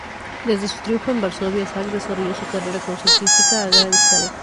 Desde su triunfo en Varsovia, Zak desarrolló su carrera concertística a gran escala.